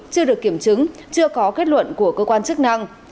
chưa được kiểm chứng chưa có kết luận của cơ quan chức năng